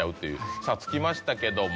さぁ着きましたけども。